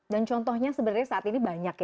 dan contohnya sebenarnya saat ini banyak ya